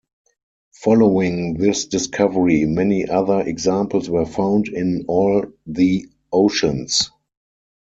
Following this discovery many other examples were found in all the oceans.